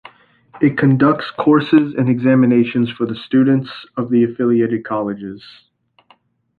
It conducts courses and examinations for the students of the affiliated colleges.